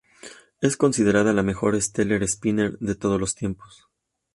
Es considerada la mejor Stellar Spinner de todos los tiempos.